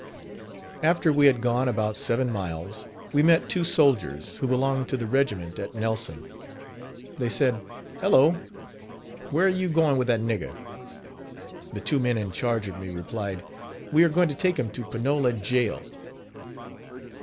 After we had gone about seven miles, we met two soldiers, who belonged to the regiment at Nelson. They said: "Hello! where you going with that rigger?" The two men in charge of me replied: "We are going to take trim to Panola jail.